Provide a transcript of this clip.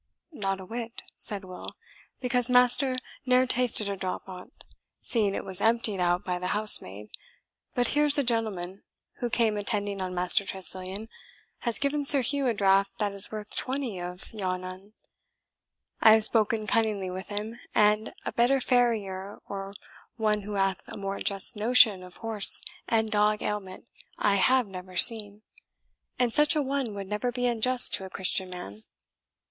"Not a whit," said Will, "because master ne'er tasted a drop on't, seeing it was emptied out by the housemaid. But here's a gentleman, who came attending on Master Tressilian, has given Sir Hugh a draught that is worth twenty of yon un. I have spoken cunningly with him, and a better farrier or one who hath a more just notion of horse and dog ailment I have never seen; and such a one would never be unjust to a Christian man."